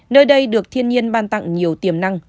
nơi đây được thiên nhiên ban tặng nhiều tiềm năng